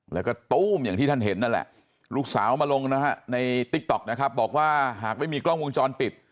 แล้วก็ตู้มอย่างที่ท่านเห็นนั่นแหละลูกสาวมาลงนะฮะในติ๊กต๊อกนะครับบอกว่าหากไม่มีกล้องวงจรปิด